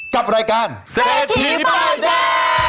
กับรายการเศรษฐีป้ายแดง